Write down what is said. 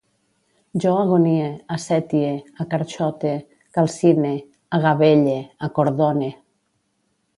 Jo agonie, assetie, acarxote, calcine, agabelle, acordone